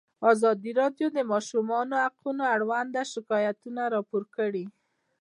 ازادي راډیو د د ماشومانو حقونه اړوند شکایتونه راپور کړي.